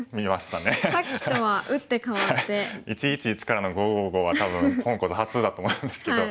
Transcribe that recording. １１１からの５５５は多分本講座初だと思うんですけど。